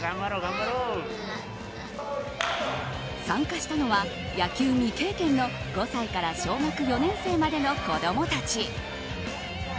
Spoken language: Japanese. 参加したのは野球未経験の５歳から小学４年生までの子供たち。